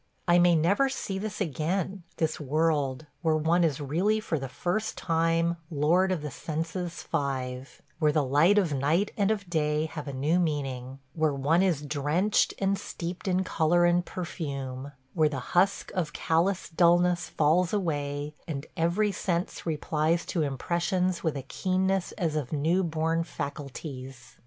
I may never see this again, this world, where one is really for the first time "Lord of the senses five," – where the light of night and of day have a new meaning; where one is drenched and steeped in color and perfume; where the husk of callous dulness falls away and every sense replies to impressions with a keenness as of new born faculties.